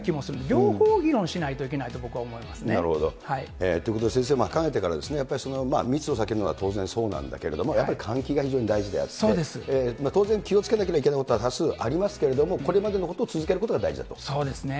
両方議論しないといけないと僕はなるほど。ということで、先生はかねてから、密を避けるのは当然そうなんだけれども、やはり換気が非常に大事であって、当然、気をつけなければいけないことは多数ありますけれども、これまでのことを続けることが大そうですね。